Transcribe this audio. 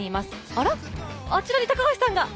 あらっ、あちらに高橋さんが！